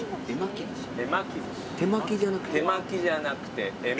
手巻きじゃなくて。